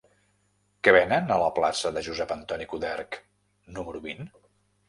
Què venen a la plaça de Josep Antoni Coderch número vint?